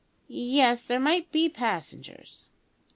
Yes, there might be passengers."